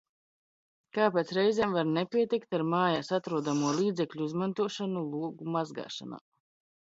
Kāpēc reizēm var nepietikt ar mājās atrodamo līdzekļu izmantošanu logu mazgāšanā?